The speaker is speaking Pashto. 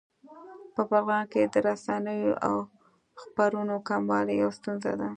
په بغلان کې د رسنیو او خپرونو کموالی يوه ستونزه ده